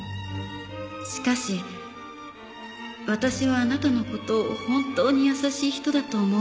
「しかし私はあなたの事を本当に優しい人だと思うのです」